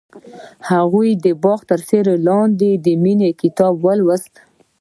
هغې د باغ تر سیوري لاندې د مینې کتاب ولوست.